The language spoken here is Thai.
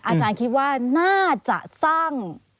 อาจารย์คิดว่าน่าจะสร้าง